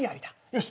よし！